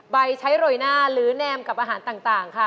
ใช้โรยหน้าหรือแนมกับอาหารต่างค่ะ